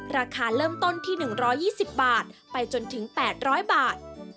ราคาเริ่มต้นที่๑๒๐บาทไปจนถึง๘๐๐บาท